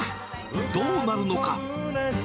どうなるのか。